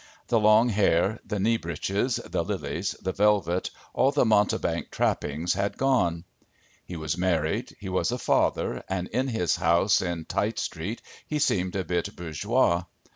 The long hair, the knee breeches, the lilies, the velvet, all the mountebank trappings had gone. He was married, he was a father, and in his house in Tite street he seemed a bit bourgeois.